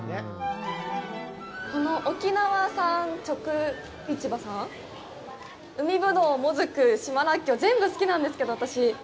この沖縄産直市場さん、海ぶどう、もずく、島らっきょう、全部、好きなんですけど、私。